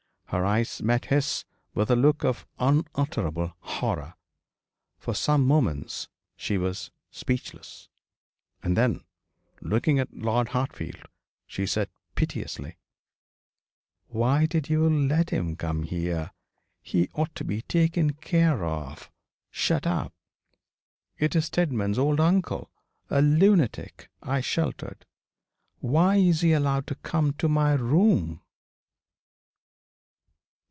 Her eyes met his with a look of unutterable horror. For some moments she was speechless, and then, looking at Lord Hartfield, she said, piteously 'Why did you let him come here? He ought to be taken care of shut up. It is Steadman's old uncle a lunatic I sheltered. Why is he allowed to come to my room?'